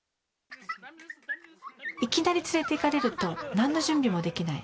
いきなり連れて行かれるとなんの準備もできない。